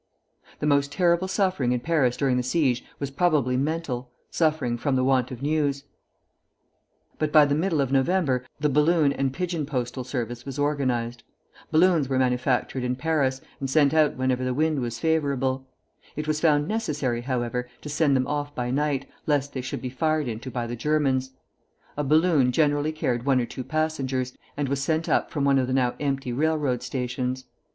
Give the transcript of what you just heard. The most terrible suffering in Paris during the siege was probably mental, suffering from the want of news; but by the middle of November the balloon and pigeon postal service was organized. Balloons were manufactured in Paris, and sent out whenever the wind was favorable. It was found necessary, however, to send them off by night, lest they should be fired into by the Germans. A balloon generally carried one or two passengers, and was sent up from one of the now empty railroad stations.